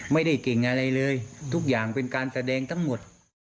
ไม่ได้เก่งอะไรเลยทุกอย่างเป็นการแสดงทั้งหมด